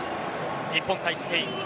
日本対スペイン。